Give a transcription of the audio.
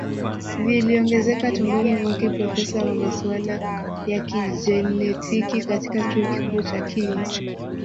viliongezeka tumboni mwake Profesa wa masuala ya kijenetiki katika chuo kikuu cha Kings